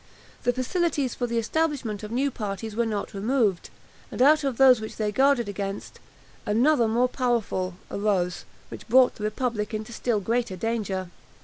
The facilities for the establishment of new parties were not removed; and out of those which they guarded against, another more powerful arose, which brought the republic into still greater danger.